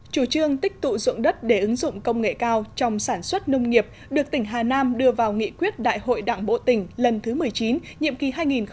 chủ trương tích tụ dụng đất để ứng dụng công nghệ cao trong sản xuất nông nghiệp được tỉnh hà nam đưa vào nghị quyết đại hội đảng bộ tỉnh lần thứ một mươi chín nhiệm kỳ hai nghìn một mươi năm hai nghìn hai mươi